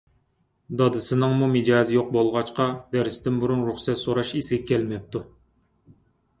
دادىسىنىڭمۇ مىجەزى يوق بولغاچقا، دەرستىن بۇرۇن رۇخسەت سوراش ئېسىگە كەلمەپتۇ.